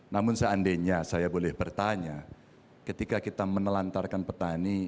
namun seandainya saya boleh bertanya ketika kita menelantarkan petani